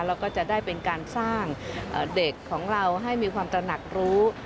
เราก็จะได้เป็นการสร้างเด็กของเราให้มีความตระหนักรู้